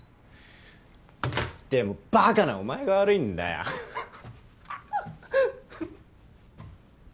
でもバカなお前が悪いんだよハハハ！